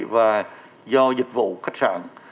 và do dịch vụ khách sạn